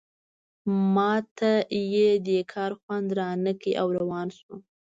ما ته یې دې کار خوند رانه کړ او روان شوم.